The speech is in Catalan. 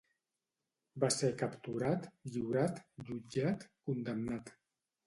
Va ser capturat, lliurat, jutjat, condemnat.